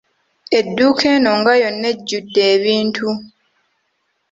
Edduuka eno nga yonna ejjudde ebintu.